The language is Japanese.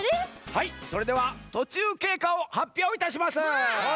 はいそれではとちゅうけいかをはっぴょういたします！